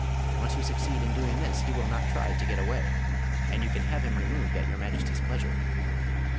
Once you succeed in doing this he will not try to get away, and you can have him removed at Your Majesty's pleasure."